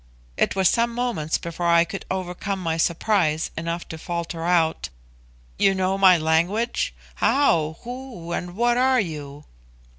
It was some moments before I could overcome my surprise enough to falter out, "You know my language? How? Who and what are you?"